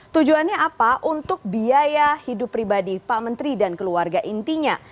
tujuannya apa untuk biaya hidup pribadi pak menteri dan keluarga intinya